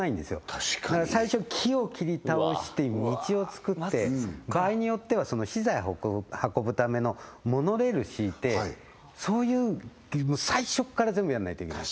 確かに最初木を切り倒して道をつくって場合によっては資材運ぶためのモノレール敷いてそういう最初っから全部やんないといけない